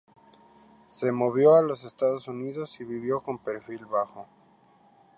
Se movió a los Estados Unidos y vivió con perfil bajo.